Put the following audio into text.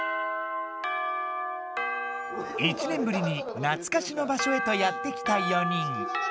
１年ぶりになつかしの場所へとやって来た４人。